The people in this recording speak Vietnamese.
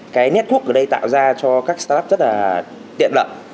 cái network ở đây tạo ra cho các startup rất là tiện lợi